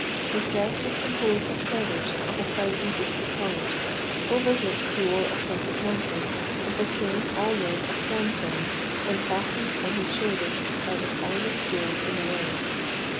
His dress was composed of feathers of a thousand different colours, over which he wore a sort of mantle, with a train all made of swan's down, and fastened on his shoulders by the finest jewels in the world.